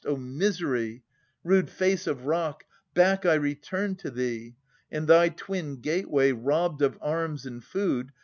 O misery ! Rude face of rock, back I return to thee And thy twin gateway, robbed of arms and food.